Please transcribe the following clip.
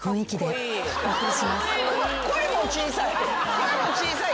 声も小さい。